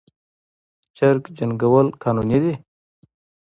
چرګ جنګول قانوني دي؟